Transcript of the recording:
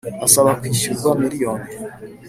asaba kwishyurwa miliyoni